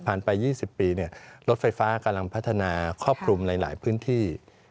ไป๒๐ปีรถไฟฟ้ากำลังพัฒนาครอบคลุมในหลายพื้นที่